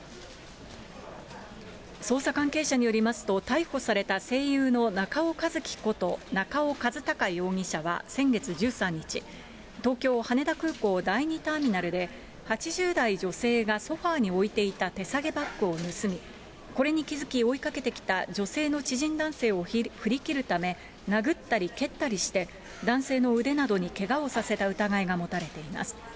捜査関係者によりますと、逮捕された声優の中尾かずきこと中尾和貴容疑者は先月１３日、東京・羽田空港第２ターミナルで、８０代女性がソファに置いていた手提げバッグを盗み、これに気付き追いかけてきた女性の知人男性を振り切るため、殴ったり蹴ったりして、男性の腕などにけがをさせた疑いが持たれています。